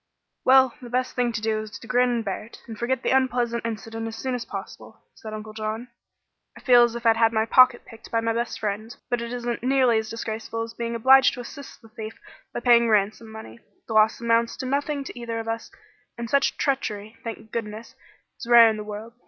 "Well, the best thing to do is to grin and bear it, and forget the unpleasant incident as soon as possible," said Uncle John. "I feel as if I'd had my pocket picked by my best friend, but it isn't nearly as disgraceful as being obliged to assist the thief by paying ransom money. The loss amounts to nothing to either of us, and such treachery, thank goodness, is rare in the world.